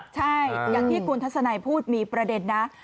ใช่อย่างที่คุณทัศนัยพูดมีประเด็นนะ